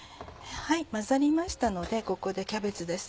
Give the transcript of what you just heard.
混ざりましたのでここでキャベツです。